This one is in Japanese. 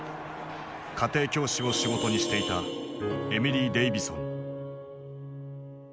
家庭教師を仕事にしていたエミリー・デイヴィソン。